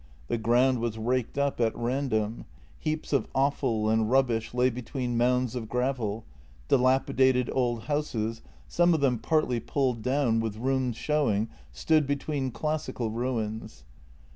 The ground was raked up at random; heaps of offal and rubbish lay between mounds of gravel; dilapidated old houses, some of them partly pulled down, with rooms showing, stood between classical ruins.